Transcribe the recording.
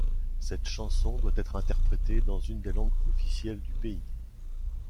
Cette chanson doit être interprétée dans une des langues officielles du pays.